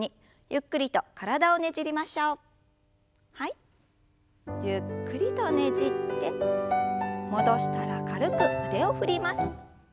ゆっくりとねじって戻したら軽く腕を振ります。